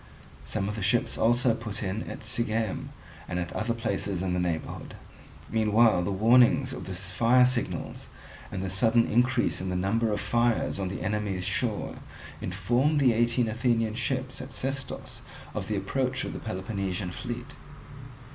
Some of the ships also put in at Sigeum and at other places in the neighbourhood. Meanwhile the warnings of the fire signals and the sudden increase in the number of fires on the enemy's shore informed the eighteen Athenian ships at Sestos of the approach of the Peloponnesian fleet.